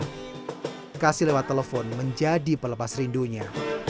terima kasih lewat telepon menjadi pelepas rindunya